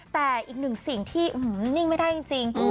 แต่อีกหนึ่งสิ่งที่นิ่งไม่ได้จริง